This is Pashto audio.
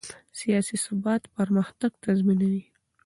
سیاسي ثبات پرمختګ تضمینوي